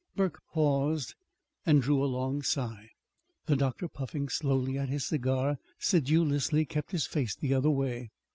Burke paused, and drew a long sigh. The doctor, puffing slowly at his cigar, sedulously kept his face the other way.